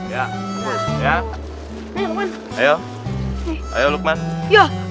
bapak mau prison